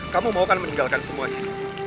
kamu mau kan meninggalkan semuanya